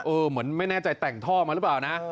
เหมือนไม่แน่ใจแต่งท่อมาหรือเปล่านะ